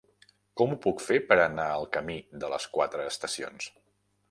Com ho puc fer per anar al camí de les Quatre Estacions?